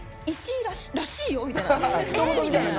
１位らしいよみたいな。